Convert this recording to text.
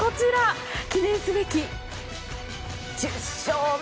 記念すべき１０勝目。